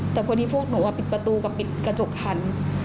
แต่คนที่พวกหนูปิดประตูกับปิดกระจกทัน